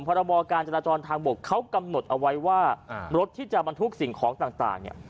พรบการจราจรทางบกเขากำหนดเอาไว้ว่ารถที่จะบรรทุกสิ่งของต่างเนี่ย